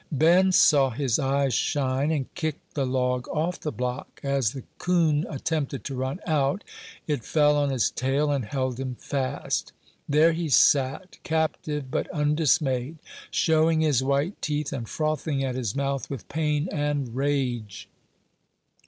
Ben saw his eyes shine, and kicked the log off the block; as the coon attempted to run out, it fell on his tail and held him fast. There he sat, captive but undismayed, showing his white teeth, and frothing at his mouth with pain and rage.